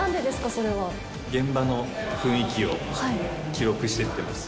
それは現場の雰囲気を記録してってます